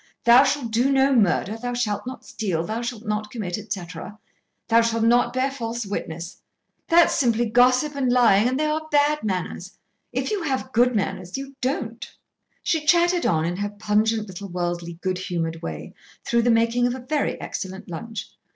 Thou shall do no murder. Thou shalt not steal. Thou shalt not commit, etc. Thou shalt not bear false witness. That's simply gossip and lying, and they are bad manners. If you have good manners, you don't." She chatted on in her pungent little worldly, good humoured way through the making of a very excellent lunch.